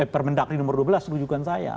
permendagri nomor dua belas rujukan saya